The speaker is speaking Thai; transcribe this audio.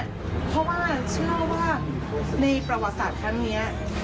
เพราะว่าเข้าว่าในประวัติศาสตร์ทั้งเนี้ย